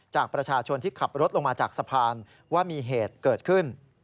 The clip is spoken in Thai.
จากประชาชนที่ขับรถลงมาจากสะพานว่ามีเหตุเกิดขึ้น